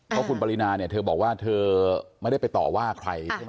เพราะคุณบารินาเธอบอกว่าเธอไม่ได้ไปต่อว่าใคร